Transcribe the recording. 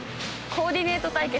コーディネート対決？